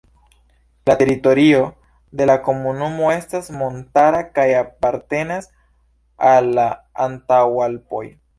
La teritorio de la komunumo estas montara kaj apartenas al la Antaŭalpoj.